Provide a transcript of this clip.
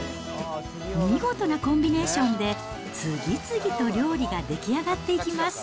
見事なコンビネーションで、次々と料理が出来上がっていきます。